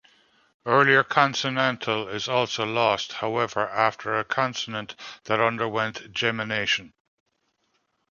Earlier consonantal is also lost, however, after a consonant that underwent gemination.